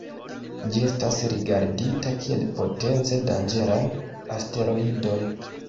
Ĝi estas rigardita kiel potence danĝeran asteroidon.